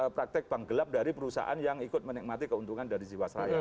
praktek bank gelap dari perusahaan yang ikut menikmati keuntungan dari jiwasraya